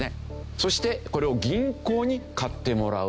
そしてこれを銀行に買ってもらう。